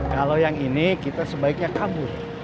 kalau yang ini kita sebaiknya kabur